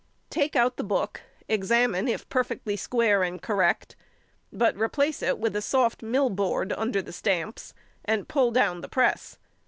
Take out the book, examine if perfectly square and correct, but replace it with a soft mill board under the stamps, and pull down the press.